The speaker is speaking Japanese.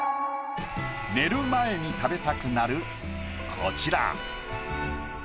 寝る前に食べたくなるこちら。